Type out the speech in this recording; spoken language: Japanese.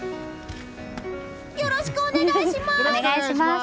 よろしくお願いします！